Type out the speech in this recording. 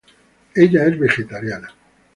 Ella es vegetariana.